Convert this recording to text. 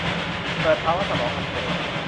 เกิดภาวะสมองอักเสบ